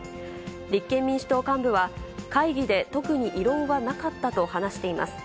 立憲民主党幹部は、会議で特に異論はなかったと話しています。